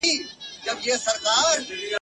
څوک وایي چي ملاله نورزۍ وه؟